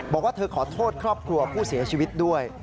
บอกว่าเธอขอโทษครอบครัวผู้เสียชีวิตด้วย